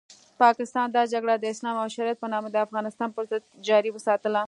پاکستان دا جګړه د اسلام او شریعت په نامه د افغانستان پرضد جاري وساتله.